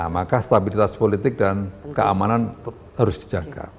maka stabilitas politik dan keamanan harus dijaga